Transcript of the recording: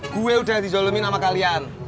gue udah di jolomin ama kalian